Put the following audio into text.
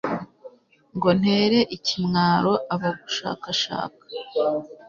ngo ntere ikimwaro abagushakashaka